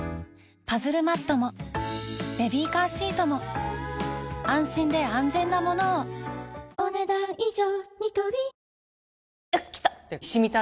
パズルマットもベビーカーシートも安心で安全なものをお、ねだん以上。